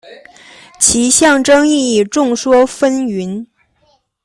其象征意义众说纷纭。